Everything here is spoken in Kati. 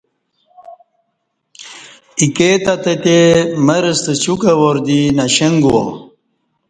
ایکے تہ تتے مرستہ سیوکں وار دی نݜنگ گو ا